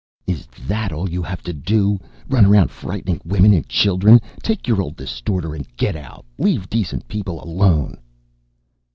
"Is that all you have to do run around frightening women and children? Take your old distorter and get out. Leave decent people alone!"